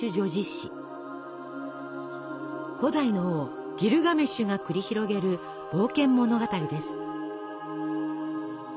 古代の王ギルガメシュが繰り広げる冒険物語です。